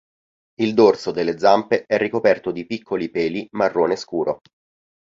Il dorso delle zampe è ricoperto di piccoli peli marrone scuro.